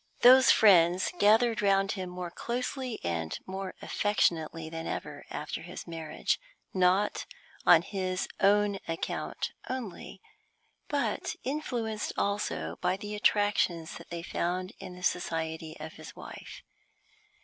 Those friends gathered round him more closely and more affectionately than ever after his marriage, not on his own account only, but influenced also by the attractions that they found in the society of his wife.